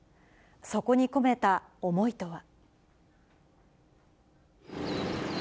そこに込めた思いとは。